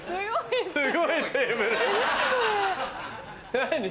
何？